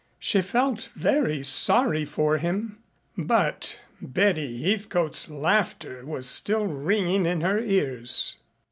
She felt very sorry for him, but Betty Heathcote's laughter was still ringing in her ears.